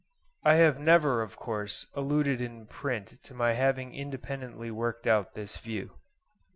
I have never, of course, alluded in print to my having independently worked out this view.